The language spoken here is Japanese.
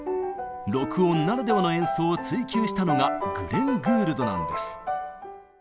録音ならではの演奏を追求したのがグレン・グールドなんです。